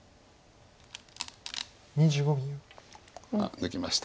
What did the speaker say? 抜きました。